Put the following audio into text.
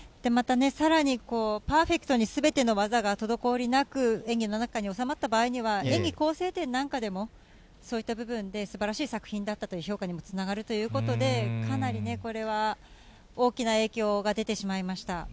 また、さらにパーフェクトにすべての技が滞りなく演技の中に収まった場合には演技構成点なんかでもそういった部分ですばらしい作品だったという評価にもつながるということで、かなりこれは大きな影響なるほど。